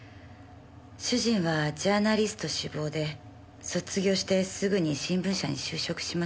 主人はジャーナリスト志望で卒業してすぐに新聞社に就職しました。